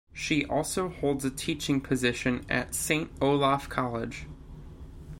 She also holds a teaching position at Saint Olaf College.